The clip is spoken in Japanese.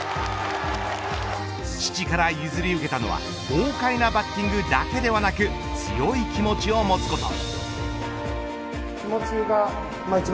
父から譲り受けたのは豪快なバッティングだけではなく強い気持ちを持つこと。